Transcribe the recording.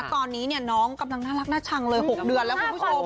ตอนนี้น้องกำลังน่ารักน่าชังเลย๖เดือนแล้วคุณผู้ชม